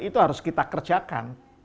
itu harus kita kerjakan